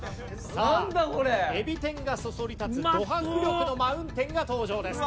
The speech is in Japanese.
さあえび天がそそり立つド迫力のマウンテンが登場です。